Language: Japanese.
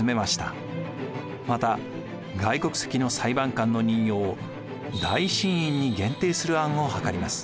また外国籍の裁判官の任用を大審院に限定する案を図ります。